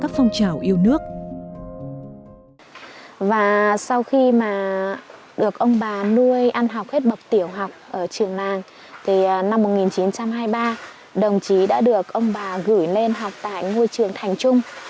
và sau khi mà được ông bà nuôi ăn học hết bậc tiểu học ở trường làng thì năm một nghìn chín trăm hai mươi ba đồng chí đã được ông bà gửi lên học tại ngôi trường thành trung